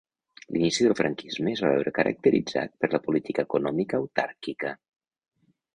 L'inici del franquisme es va veure caracteritzat per la política econòmica autàrquica.